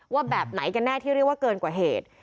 ว่าแบบไหนกันแน่ที่เรียกว่าเกินกว่าเหตุ